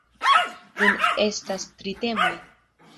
Nun estas tri temoj.